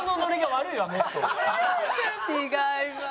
違います。